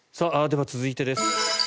では続いてです。